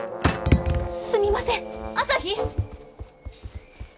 すみません朝陽！